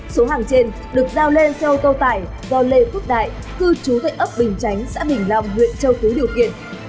số hàng trên được giao lên xe ô tô tải do lê quốc đại cư trú tại ấp bình chánh xã bình long huyện châu phú điều kiện